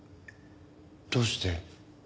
どうして？